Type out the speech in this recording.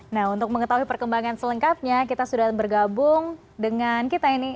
nah untuk mengetahui perkembangan selengkapnya kita sudah bergabung dengan kita ini